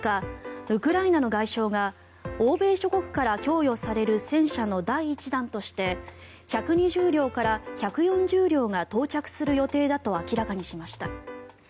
ウクライナの外相が欧米諸国から供与される戦車の第１弾として１２０両から１４０両が到着する予定だと明らかにしました。